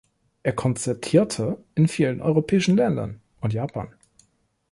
Er konzertierte in vielen europäischen Ländern und Japan.